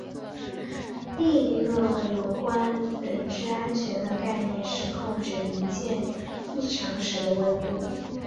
另一个有关本质安全的概念是控制零件异常时的温度。